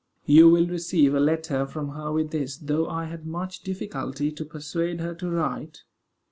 You will receive a letter from her with this, though I had much difficulty to persuade her to write.